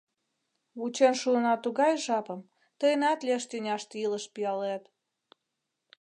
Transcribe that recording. Вучен шуына тугай жапым, тыйынат лиеш тӱняште илыш пиалет.